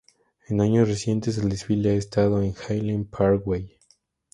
En años recientes, el desfile ha estado en Allen Parkway.